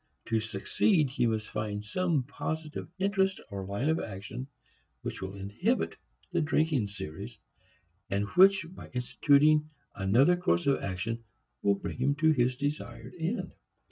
To succeed he must find some positive interest or line of action which will inhibit the drinking series and which by instituting another course of action will bring him to his desired end.